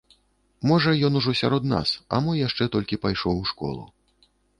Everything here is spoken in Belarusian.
Можа, ён ужо сярод нас, а мо яшчэ толькі пайшоў у школу.